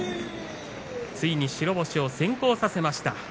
ついに白星を先行させました。